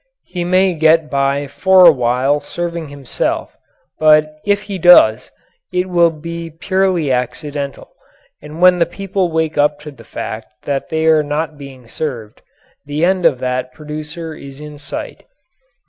He may get by for a while serving himself, but if he does, it will be purely accidental, and when the people wake up to the fact that they are not being served, the end of that producer is in sight.